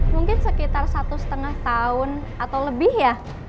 mungkin sekitar satu setengah tahun atau lebih ya